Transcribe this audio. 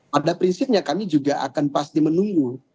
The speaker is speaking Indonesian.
pada prinsipnya kami juga akan pasti menunggu